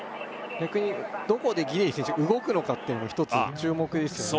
逆にどこでギデイ選手動くのかっていうのも一つ注目ですよね